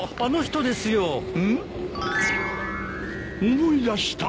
思い出した。